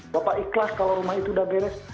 bapak ikhlas kalau rumah itu udah beres